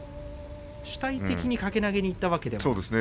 主体的に掛け投げにいったわけではないですね。